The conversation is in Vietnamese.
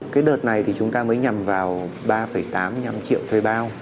cái đợt này thì chúng ta mới nhằm vào ba tám mươi năm triệu thuê bao